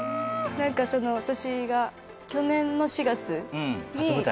何かその私が去年の４月に初舞台？